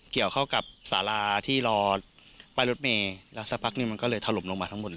เกี่ยวเข้ากับสาราที่รอป้ายรถเมย์แล้วสักพักหนึ่งมันก็เลยถล่มลงมาทั้งหมดเลย